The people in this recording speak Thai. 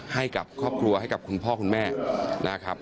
ให้กับครอบครัวให้กับคุณพ่อคุณแม่นะครับ